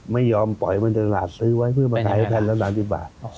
ไม่ยอมปล่อยมันตลาดซื้อไว้เพื่อมาขายแทนละ๓๐บาท